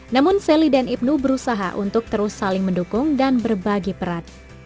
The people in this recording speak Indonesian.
namun sally dan ibnu berusaha untuk terus saling mendukung dan berbagi peran